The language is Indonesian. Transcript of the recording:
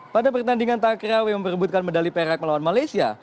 pada pertandingan takraw yang memperbutkan medali perak melawan malaysia